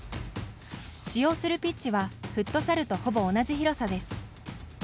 使用するピッチはフットサルとほぼ同じ広さです。